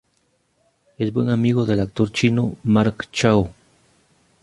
Es buen amigo del actor chino Mark Chao.